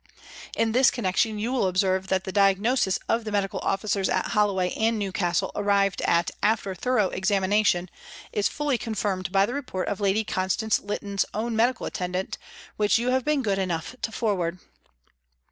In this 304 PRISONS AND PRISONERS connection you will observe that the diagnosis of the medical officers at Hollo way and Newcastle, arrived at after thorough examination, is fully confirmed by the report of Lady Constance Lytton's own medical attendant, which you have been good enough to forward.